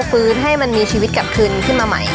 ฟื้นให้มันมีชีวิตกลับคืนขึ้นมาใหม่